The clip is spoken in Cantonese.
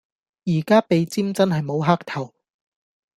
而家鼻尖真係無黑頭